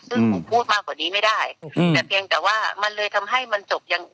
ซึ่งผมพูดมากกว่านี้ไม่ได้แต่เพียงแต่ว่ามันเลยทำให้มันจบยัง